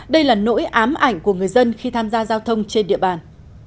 đây là nỗi ám ảnh của người dân khi tham gia giao thông trên địa bàn